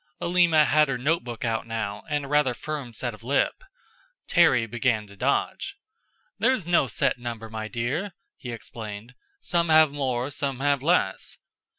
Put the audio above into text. Alima had her notebook out now, and a rather firm set of lip. Terry began to dodge. "There is no set number, my dear," he explained. "Some have more, some have less."